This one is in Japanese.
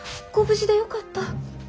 ご無事でよかった」。